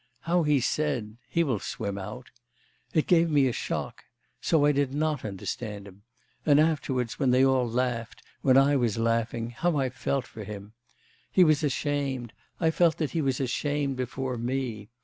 How he said, "He will swim out!" It gave me a shock. So I did not understand him. And afterwards when they all laughed, when I was laughing, how I felt for him! He was ashamed, I felt that he was ashamed before me.